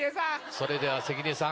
それでは関根さん